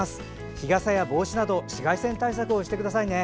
日傘や帽子など紫外線対策をしてくださいね。